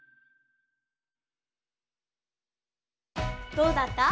どうだった？